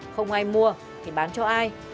không ai mua thì bán cho ai